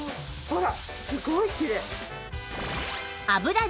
ほらすごいきれい。